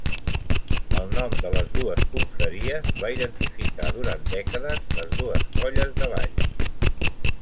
El nom de les dues confraries va identificar durant dècades les dues colles de Valls.